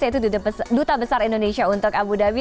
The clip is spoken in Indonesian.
yaitu duta besar indonesia untuk abu dhabi